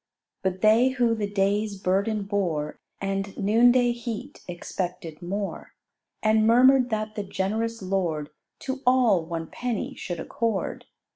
But they who the day's burden bore And noonday heat, expected more: And murmur'd that the generous lord To all one penny should accord.